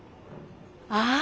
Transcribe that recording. ああ！